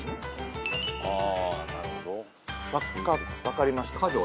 分かりました。